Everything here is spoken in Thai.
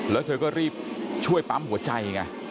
แล้วเธอก็รีบช่วยปั๊มหัวใจไง